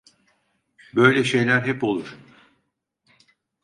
Böyle şeyler hep olur.